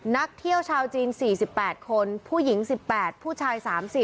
นักเที่ยวชาวจีน๔๘คนผู้หญิง๑๘ผู้ชาย๓๐